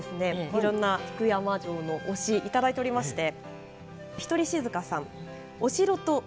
いろんな福山城の推し頂いておりまして。